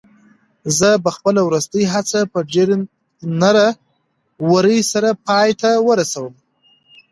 زه به خپله وروستۍ هڅه په ډېرې نره ورۍ سره پای ته ورسوم.